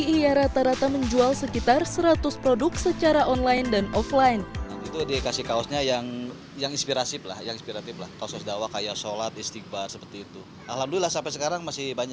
ia rata rata menjual produk yang berbeda dengan produk yang lain